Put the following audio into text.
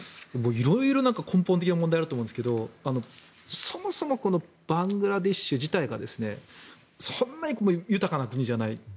いろいろ根本的な問題があると思いますがそもそもバングラデシュ自体がそんなに豊かな国じゃない。